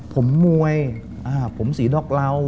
ผมมวยผมสีดอกเหล่า